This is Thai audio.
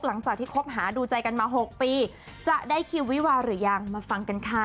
หลังจากที่คบหาดูใจกันมา๖ปีจะได้คิววิวาหรือยังมาฟังกันค่ะ